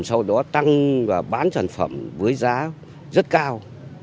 sau đó tăng và bán sản phẩm với giá rất cao